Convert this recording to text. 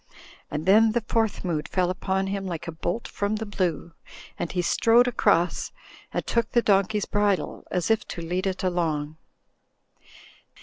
And then the Fourth Mood fell upon him like a bolt from the blue, and he strode across and took the donkey's bridle, as if to lead it along.